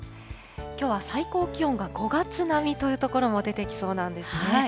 きょうは最高気温が５月並みという所も出てきそうなんですね。